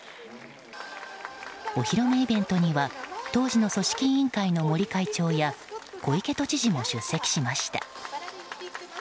お披露目イベントには当時の組織委員会の森会長や小池都知事も出席しました。